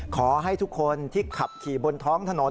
ขอให้ทุกคนที่ขับขี่บนท้องถนน